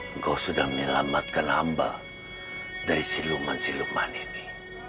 engkau sudah menyelamatkan hamba dari siluman siluman ini